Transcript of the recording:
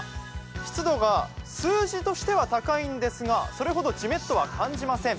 湿度が数字としては高いんですが、それほどジメッとは感じません。